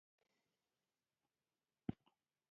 ازادي راډیو د ټولنیز بدلون د ستونزو رېښه بیان کړې.